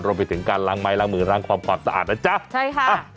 รวมไปถึงการล้างไม้ล้างมือล้างความสะอาดนะจ๊ะใช่ค่ะ